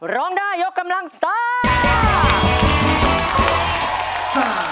ร้องได้ยกกำลังซ่า